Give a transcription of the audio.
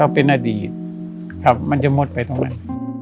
เป็นอดีตครับมันจะหมดไปตรงไหน